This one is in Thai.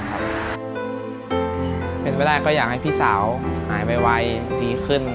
ถึงเวลาให้พี่สาวหายไปวัยดีขึ้น